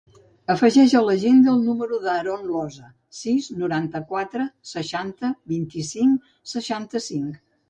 Afegeix a l'agenda el número de l'Haron Losa: sis, noranta-quatre, seixanta, vint-i-cinc, seixanta-cinc.